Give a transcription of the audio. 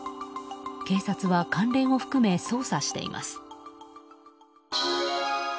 警察は関連を含め捜査しています。